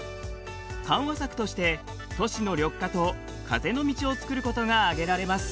緩和策として都市の緑化と風の道を作ることが挙げられます。